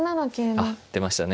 あっ出ましたね。